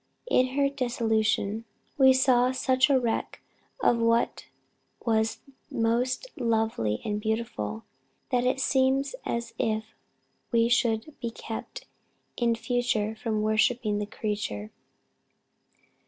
In her dissolution, we saw such a wreck of what was most lovely and beautiful, that it seems as if we should be kept in future from 'worshipping the creature.'"